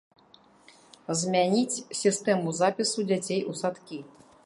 Змяніць сістэму запісу дзяцей у садкі.